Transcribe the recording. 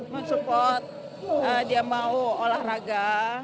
mensupport dia mau olahraga